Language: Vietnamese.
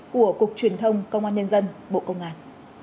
của cục truyền thông công an nhân dân bộ công an